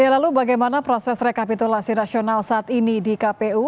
lalu bagaimana proses rekapitulasi rasional saat ini di kpu